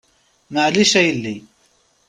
Maɛlic a yelli.